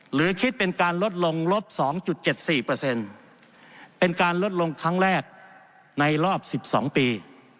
หรือคิดเป็นการลดลงลบ๒๗๔เป็นการลดลงครั้งแรกในรอบ๑๒ปี